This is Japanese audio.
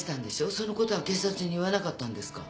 そのことは警察に言わなかったんですか？